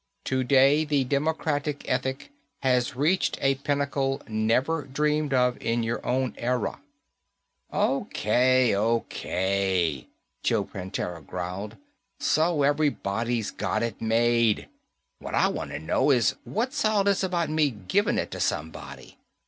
Today the democratic ethic has reached a pinnacle never dreamed of in your own era." "O.K., O.K.," Joe Prantera growled. "So everybody's got it made. What I wanta know is what's all this about me giving it ta somebody?